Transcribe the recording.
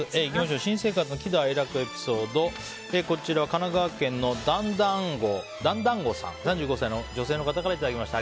新生活の喜怒哀楽エピソードこちら神奈川県の３５歳の女性の方からいただきました。